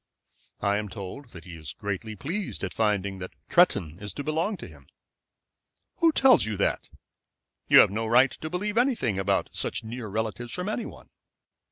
"I am told that he is greatly pleased at finding that Tretton is to belong to him." "Who tells you that? You have no right to believe anything about such near relatives from any one.